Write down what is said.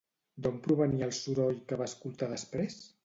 D'on provenia el soroll que va escoltar després?